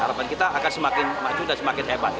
harapan kita akan semakin maju dan semakin hebat